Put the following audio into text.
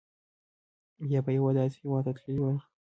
یا به یوه داسې هېواد ته تللي وای.